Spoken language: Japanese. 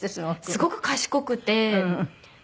すごく賢くて。